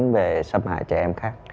về xâm hại trẻ em khác